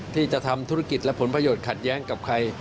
ที่จะทำธุรกิจและผลประโยชน์ขัดแย้งกับใคร